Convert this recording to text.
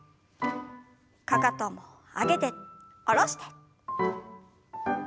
かかとも上げて下ろして。